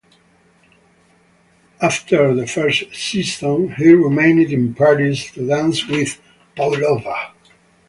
After the first season he remained in Paris to dance with Pavlova.